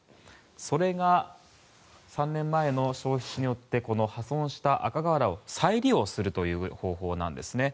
それが、３年前の焼失によって破損した赤瓦を再利用するという方法なんです。